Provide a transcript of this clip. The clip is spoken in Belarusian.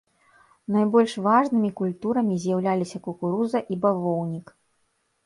Найбольш важнымі культурамі з'яўляліся кукуруза і бавоўнік.